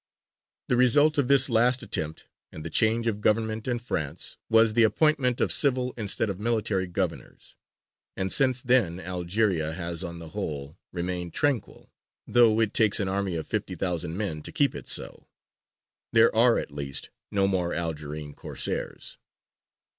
The result of this last attempt, and the change of government in France, was the appointment of civil instead of military governors, and since then Algeria has on the whole remained tranquil, though it takes an army of fifty thousand men to keep it so. There are at least no more Algerine Corsairs.